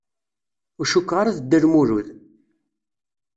Ur cukkeɣ ara d Dda Lmulud.